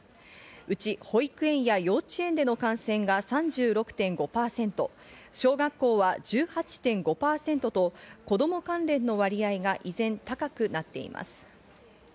うち保育園や幼稚園での感染が３６．５％、小学校は１８．５％と子供関連の割合が依然高くなっています。